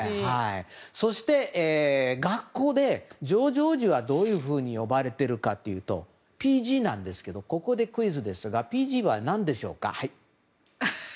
そして、学校でジョージ王子はどういうふうに呼ばれているかというとＰＧなんですけどここでクイズですがＰＧは何でしょうか？